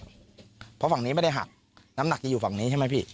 เพราะฝั่งนี้ไม่ได้หักน้ำหนักจะอยู่ฝั่งนี้ใช่ไหมพี่